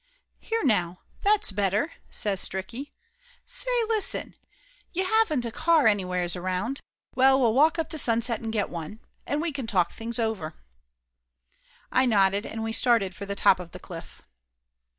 "Here now! That's better!" says Stricky. "Say listen ! You haven't a car anywheres around ? Well, we'll walk up to Sunset and get one. And we can talk things over." I nodded, and we started for the top of the cliff.